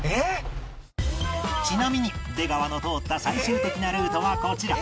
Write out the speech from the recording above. ちなみに出川の通った最終的なルートはこちら